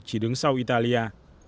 chỉ đứng sau italia